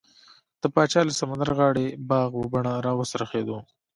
د پاچا له سمندرغاړې باغ و بڼه راوڅرخېدو.